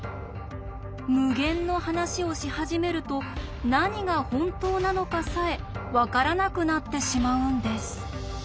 無限の話をし始めると何が本当なのかさえ分からなくなってしまうんです。